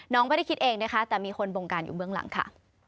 ไม่ได้คิดเองนะคะแต่มีคนบงการอยู่เบื้องหลังค่ะ